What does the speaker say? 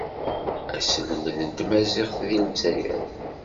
Aselmed n tmaziɣt deg Lezzayer.